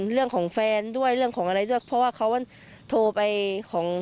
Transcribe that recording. เรื่องของแฟนด้วยเรื่องของอะไรด้วยเพราะว่าเขาโทรไปของ